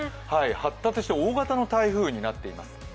発達して大型の台風になっています。